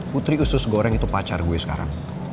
putri usus goreng itu pacar gue sekarang